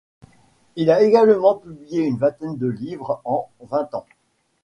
Il a également publié une vingtaine de livres en vingt ans.